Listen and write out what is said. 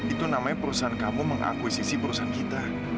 itu namanya perusahaan kamu mengakuisisi perusahaan kita